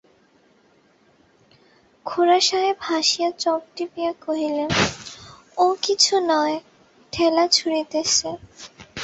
খুড়াসাহেব হাসিয়া চোখ টিপিয়া কহিলেন, ও কিছু নয়, ঢেলা ছুঁড়িতেছে।